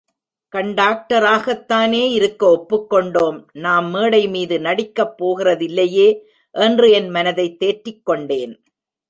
கண்டக்டராகத்தானே இருக்க ஒப்புக்கொண்டோம் நாம் மேடைமீது நடிக்கப் போகிறதில்லையே என்று என் மனத்தைத் தேற்றிக் கொண்டேன்.